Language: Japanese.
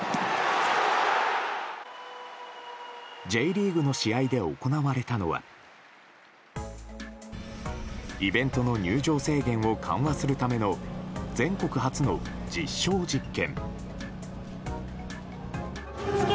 Ｊリーグの試合で行われたのはイベントの入場制限を緩和するための全国初の実証実験。